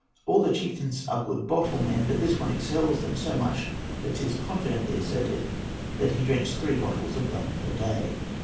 All the chieftains are good bottle men; but this one excels them so much that 'tis confidently asserted he drinks three bottles of rum per day.